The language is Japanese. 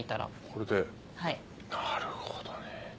これでなるほどね。